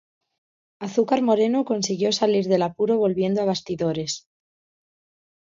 Azúcar Moreno consiguió salir del apuro volviendo a bastidores.